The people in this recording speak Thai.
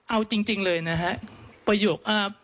เอาจริงเลยนะครับ